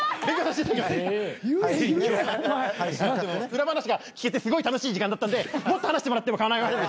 裏話が聞けてすごい楽しい時間だったんでもっと話してもらっても構いませんでした。